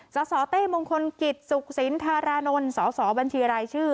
สสเต้มงคลกิจสุขสินธารานนท์สสบัญชีรายชื่อ